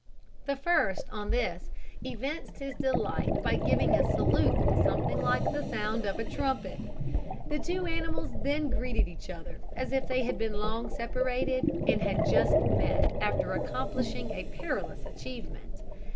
The first on this evinced his delight by giving a salute something like the sound of a trumpet. The two animals then greeted each other as if they had been long separated, and had just met after accomplishing a perilous achievement.